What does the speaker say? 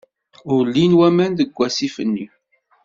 Ur llin waman deg wasif-nni.